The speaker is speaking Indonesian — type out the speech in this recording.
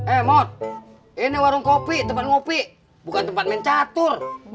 eh mot ini warung kopi tempat ngopi bukan tempat main catur